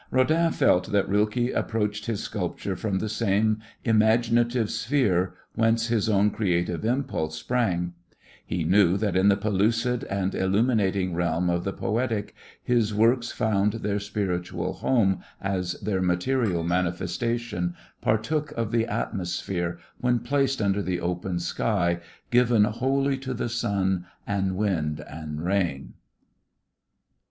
Rodin felt that Rilke approached his sculptures from the same imaginative sphere whence his own creative impulse sprang; he knew that in the pellucid and illuminating realm of the poetic his works found their spiritual home as their material manifestation partook of the atmosphere when placed under the open sky, given wholly to the sun and wind and rain.